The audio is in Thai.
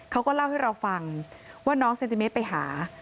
เขาก็เล่าให้เราฟังว่าน้องเซนติเมตรไปหา